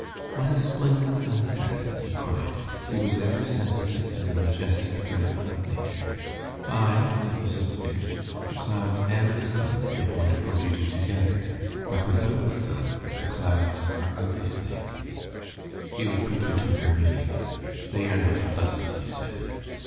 "What a splendid sunset!" he cried. He was ever sensitive to the majestic drama of nature. "Ay," said Mrs. Finch, "the clouds and the sun make wonderful beauty together, but without the sun the clouds are ugly things." Hughie quickly took her meaning. "They are not pleasant," he said.